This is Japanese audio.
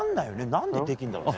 何でできるんだろうね。